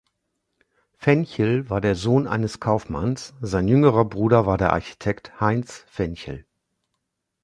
Fenchel war der Sohn eines Kaufmanns, sein jüngerer Bruder war der Architekt Heinz Fenchel.